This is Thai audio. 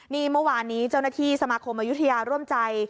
นี่เมื่อวานนี้เจ้าหน้าที่สมาคมอายุทยาร่วมใจ